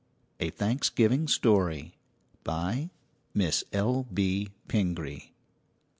A THANKSGIVING STORY BY MISS L. B. PINGREE.